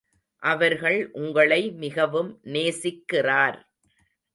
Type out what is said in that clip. அவர்கள் உங்களை மிகவும் நேசிக்கிறார்.